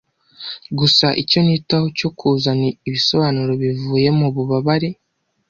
Gusa icyo nitaho cyo kuzana ibisobanuro bivuye mububabare